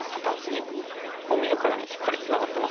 もう見るからにしっかりツナがってますよね。